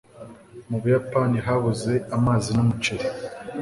mu Buyapani habuze amazi n'umuceri.